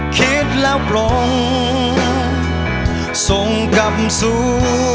คิดแล้วปลงส่งกลับสู่